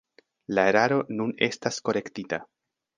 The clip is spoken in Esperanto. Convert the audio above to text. La eraro nun estas korektita.